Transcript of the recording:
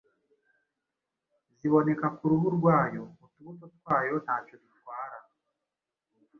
ziboneka ku ruhu rwayo. Utubuto twayo ntacyo dutwara